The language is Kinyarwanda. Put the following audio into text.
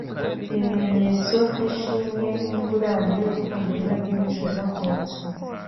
ibimenyetso by'ishimwe nk'ingurane y'urukundo rwe rwinshi yabakunze